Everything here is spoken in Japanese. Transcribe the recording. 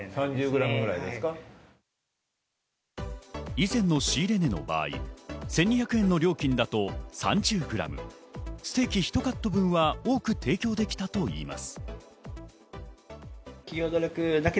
以前の仕入れ値の場合、１２００円の料金だと３０ｇ、ステーキひとカット分は多く提供できたといいます。